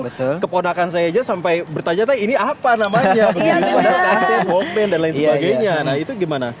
betul kepodakan saya aja sampai bertanya ini apa namanya dan lain sebagainya nah itu gimana